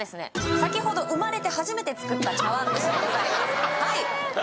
先ほど生まれて初めて作った茶碗蒸しでございます